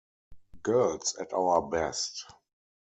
Girls at Our Best!